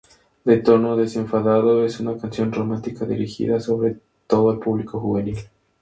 De tono desenfadado, es una canción romántica, dirigida sobre todo al público juvenil.